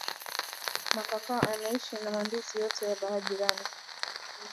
Makaka anaisha mandizi yote ya ba jirani